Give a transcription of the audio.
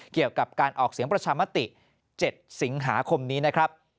เกี่ยวกับการออกเสียงประชามติ๗สิงหาคมนี้นะครับ